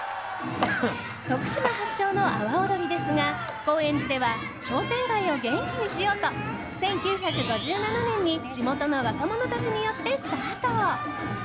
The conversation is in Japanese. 徳島発祥の阿波踊りですが高円寺では商店街を元気にしようと１９５７年に、地元の若者たちによってスタート。